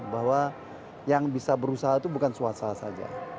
bahwa yang bisa berusaha itu bukan swasta saja